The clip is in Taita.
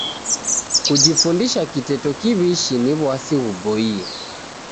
Kujifundisha kiteto kiw'ishi ni w'asi ghuboie.